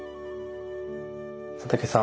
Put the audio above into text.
佐竹さん